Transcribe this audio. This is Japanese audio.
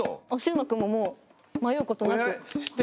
うまくんももう迷うことなく。